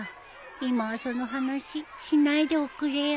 今はその話しないでおくれよ。